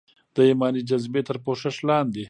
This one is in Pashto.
د ایماني جذبې تر پوښښ لاندې.